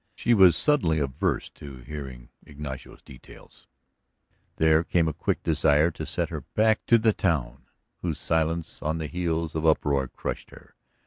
She was suddenly averse to hearing Ignacio's details; there came a quick desire to set her back to the town whose silence on the heels of uproar crushed her.